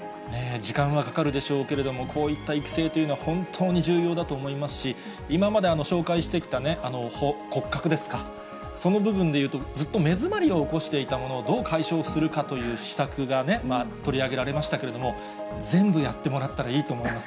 時間がかかるでしょうけれども、こういった育成というのは、本当に重要だと思いますし、今まで紹介してきた骨格ですか、その部分でいうと、ずっと目詰まりを起こしていたものをどう解消するかという施策がね、取り上げられましたけれども、全部やってもらったらいいと思います。